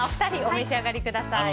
お二人、お召し上がりください。